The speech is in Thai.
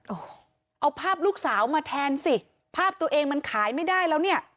โอ้โหเอาภาพลูกสาวมาแทนสิภาพตัวเองมันขายไม่ได้แล้วเนี่ย